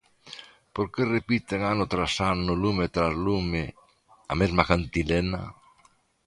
Por que repiten ano tras ano, lume tras lume, a mesma cantilena?